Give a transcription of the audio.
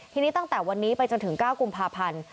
ทีนี้ตั้งแต่วันนี้ไปจนถึง๙กุมภาพันธ์